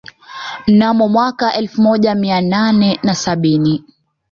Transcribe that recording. Mnaono mwaka elfu moja mia nane na sabini